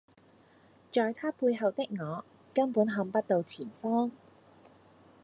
在他背後的我根本看不到前方